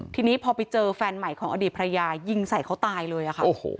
ทีนี้พอไปเจอแฟนใหม่ของอดีตภรรยายิงใส่เขาตายเลยค่ะ